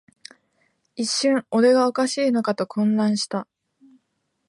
一瞬、俺がおかしいのかと混乱した